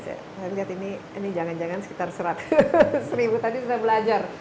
saya lihat ini jangan jangan sekitar seratus ribu tadi sudah belajar